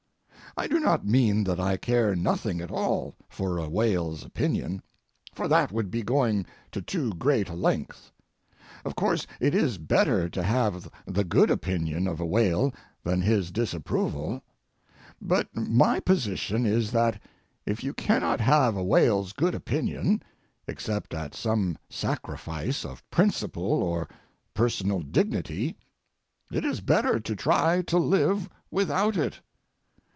I do not mean that I care nothing at all for a whale's opinion, for that would be going to too great a length. Of course, it is better to have the good opinion of a whale than his disapproval; but my position is that if you cannot have a whale's good opinion, except at some sacrifice of principle or personal dignity, it is better to try to live without it.